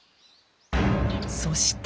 そして。